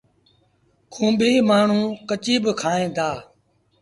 کونڀيٚ مآڻهوٚݩ ڪچيٚ با کائيٚݩ دآ۔